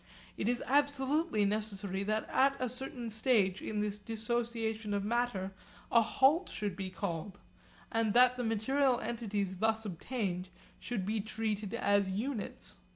It is absolutely necessary that at a certain stage in this dissociation of matter a halt should be called, and that the material entities thus obtained should be treated as units.